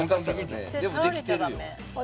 でもできてるよ。